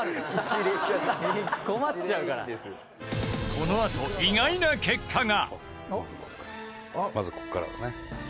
このあと、意外な結果が！